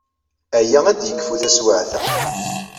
Aya ad d-yekfu taswiɛt-a.